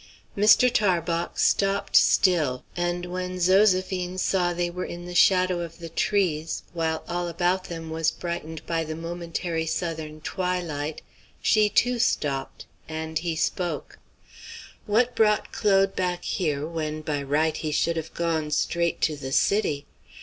Mr. Tarbox stopped still; and when Zoséphine saw they were in the shadow of the trees while all about them was brightened by the momentary Southern twilight, she, too, stopped, and he spoke. "What brought Claude back here when by right he should have gone straight to the city?